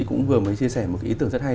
cũng vừa mới chia sẻ một cái ý tưởng rất hay